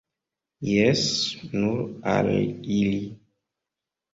Jes, nur al ili!